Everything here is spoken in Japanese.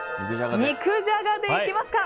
肉じゃがで行きますか。